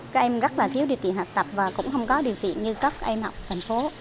các em rất là thiếu điều trị học tập và cũng không có điều kiện như các em học thành phố